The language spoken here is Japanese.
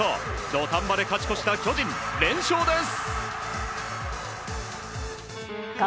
土壇場で勝ち越した巨人連勝です。